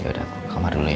ya ya udah kamar dulu ya